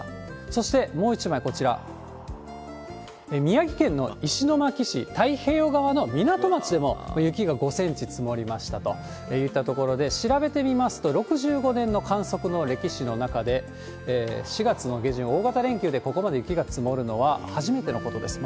そして、もう一枚、こちら、宮城県の石巻市、太平洋側の港町でも雪が５センチ積もりましたといったところで、調べてみますと６５年の観測の歴史の中で、４月の下旬、大型連休でここまで雪が積もるのは初めてのことです。